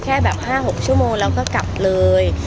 แค่แบบ๕๖ชั่วโมงแล้วก็กลับเลย